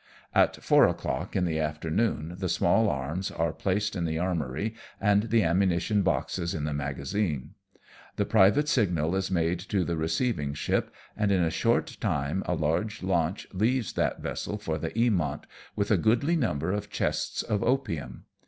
At four o'clock in the afternoon the small arms are placed in the armoury, and the ammunition boxes ii. the magazine. A private signal is made to the receiving ship, and in a short time a large launch leaves that vessel for the Eamont, with a goodly number of chests of opium.